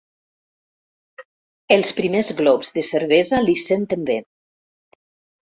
Els primers glops de cervesa li senten bé.